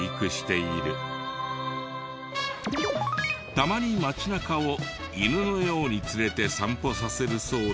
たまに街中を犬のように連れて散歩させるそうだが。